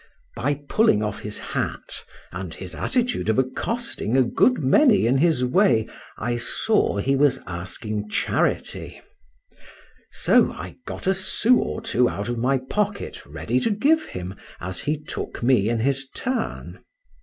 By his pulling off his hat, and his attitude of accosting a good many in his way, I saw he was asking charity: so I got a sous or two out of my pocket ready to give him, as he took me in his turn.